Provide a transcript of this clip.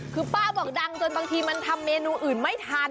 คือป้าบอกดังจนบางทีมันทำเมนูอื่นไม่ทัน